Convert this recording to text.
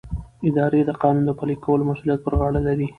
اداره د قانون د پلي کولو مسؤلیت پر غاړه لري.